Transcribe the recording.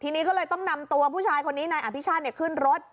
ทีนี้ก็เลยต้องนำตัวผู้ชายคนนี้นายอภิชาติขึ้นรถ